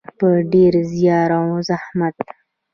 په ډیر زیار او زحمت.